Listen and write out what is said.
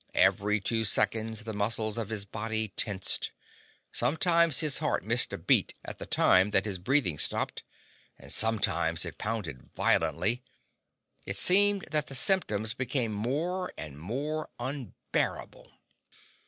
Every two seconds the muscles of his body tensed. Sometimes his heart missed a beat at the time that his breathing stopped, and sometimes it pounded violently. It seemed that the symptoms became more and more unbearable.